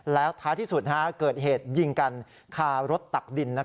แล้วท้ายที่สุดเกิดเหตุยิงกันคารถตักดิน